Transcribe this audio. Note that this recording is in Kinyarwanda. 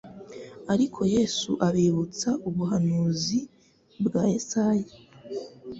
ariko Yesu abibutsa ubuhanuzi bwa Yesaya,